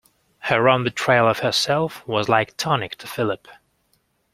Her own betrayal of herself was like tonic to Philip.